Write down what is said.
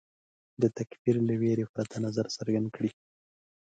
د تکفیر له وېرې پرته نظر څرګند کړي